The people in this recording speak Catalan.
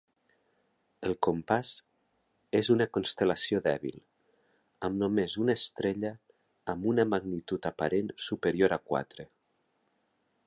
El Compàs és una constel·lació dèbil, amb només una estrella amb una magnitud aparent superior a quatre.